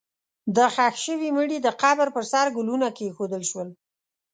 د ښخ شوي مړي د قبر پر سر ګلونه کېښودل شول.